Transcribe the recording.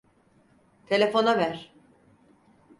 Telefona ver.